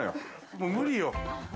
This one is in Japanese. もう無理よ。